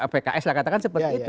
pks lah katakan seperti itu